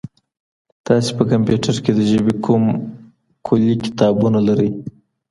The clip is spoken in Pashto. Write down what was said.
تاسي په کمپیوټر کي د ژبې کوم کلي کتابونه لرئ؟